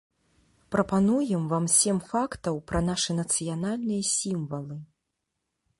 Прапануем вам сем фактаў пра нашы нацыянальныя сімвалы.